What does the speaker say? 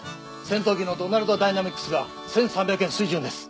戦闘機のドナルド・ダイナミクスが１３００円水準です。